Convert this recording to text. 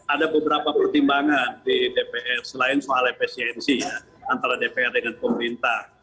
ada beberapa pertimbangan di dpr selain soal efisiensi antara dpr dengan pemerintah